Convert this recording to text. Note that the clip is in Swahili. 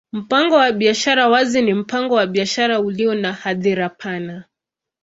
Mpango wa biashara wazi ni mpango wa biashara ulio na hadhira pana.